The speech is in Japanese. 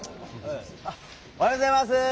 あおはようございます！